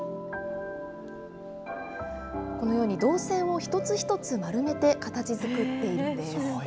このように銅線を一つ一つ丸めて形づくっているんです。